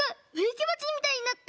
きばちみたいになった！